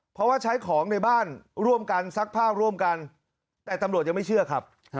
เพราะว่าใช้ของในบ้านร่วมกันซักผ้าร่วมกันแต่ตำรวจยังไม่เชื่อครับ